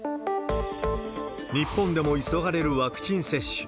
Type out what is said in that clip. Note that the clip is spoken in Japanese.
日本でも急がれるワクチン接種。